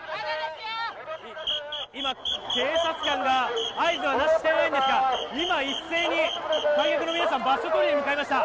今、警察官は合図をしていないんですが今、一斉に観客の皆さん場所取りに向かいました。